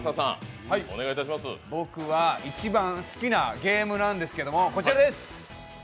僕は一番好きなゲームなんですけど、こちらです。